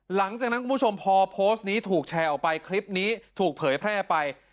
หลังจากนั้นคุณผู้ชมพอโพสต์นี้ถูกแชร์ออกไปคลิปนี้ถูกเผยแพร่ไป